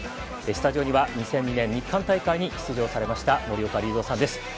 スタジオには２００２年日韓大会に出場されました森岡隆三さんです。